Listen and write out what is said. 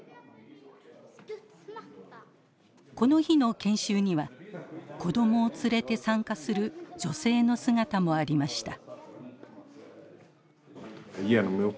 この日の研修には子どもを連れて参加する女性の姿もありました。